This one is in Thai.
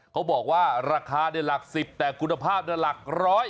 เขาบอกว่าราคาได้หลัก๑๐แต่กุณภาพได้หลัก๑๐๐